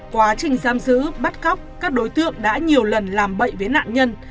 quá trình giam giữ bắt cóc các đối tượng đã nhiều lần làm bậy với nạn nhân